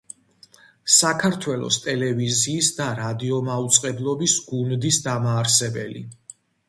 საქართველოს ტელევიზიის და რადიომაუწყებლობის გუნდის დამაარსებელი.